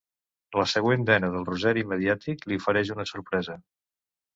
La següent dena del rosari mediàtic li ofereix una sorpresa.